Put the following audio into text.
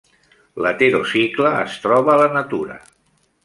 L'heterocicle es troba a la natura.